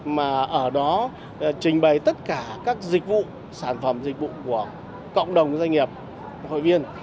mà ở đó trình bày tất cả các dịch vụ sản phẩm dịch vụ của cộng đồng doanh nghiệp hội viên